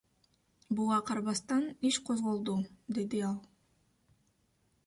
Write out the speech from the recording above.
Буга карабастан иш козголду, — деди ал.